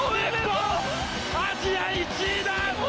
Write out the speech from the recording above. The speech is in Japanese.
アジア１位だ！